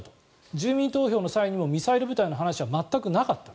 住民投票の際にもミサイル部隊の話は全くなかったと。